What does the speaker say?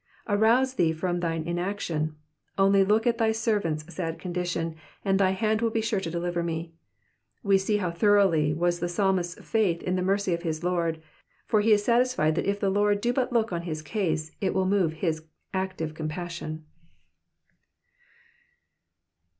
Arouse thee from thine inaction. Only look at thy servant's sad condition and thy hand will be sure to deliver me. We see how thorough was the psalmist's faith in the mercy of his Lord, for he is satisfied that if the Lord do but look on his case it will move his active compassion.